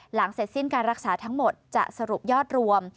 เสร็จสิ้นการรักษาทั้งหมดจะสรุปยอดรวม